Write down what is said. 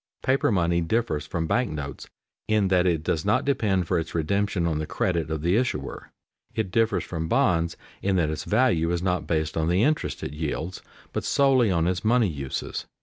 Paper money differs from bank notes in that it does not depend for its redemption on the credit of the issuer. It differs from bonds in that its value is not based on the interest it yields, but solely on its money uses.